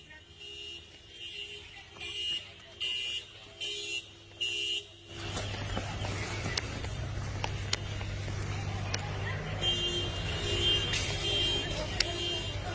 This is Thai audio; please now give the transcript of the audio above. อ่า